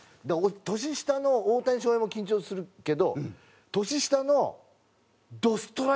年下の大谷翔平も緊張するけど年下のどストライクの女の子。